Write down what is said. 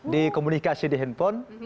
di komunikasi di hp